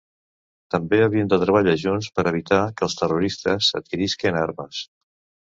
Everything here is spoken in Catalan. També havien de treballar junts per evitar que els terroristes adquirisquen armes.